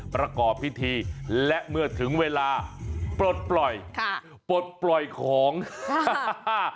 ประกอบพิธีและเมื่อถึงเวลาปลดปล่อยค่ะปลดปล่อยของค่ะอ่า